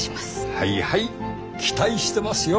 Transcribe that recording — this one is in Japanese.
はいはい期待してますよ。